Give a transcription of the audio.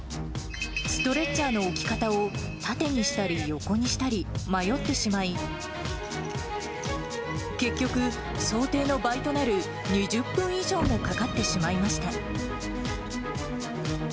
ストレッチャーの置き方を縦にしたり横にしたり、迷ってしまい、結局、想定の倍となる２０分以上もかかってしまいました。